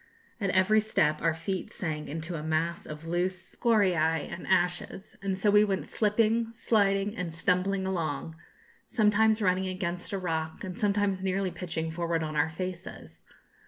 At every step our feet sank into a mass of loose scoriæ and ashes; and so we went slipping, sliding, and stumbling along, sometimes running against a rock, and sometimes nearly pitching forward on our faces.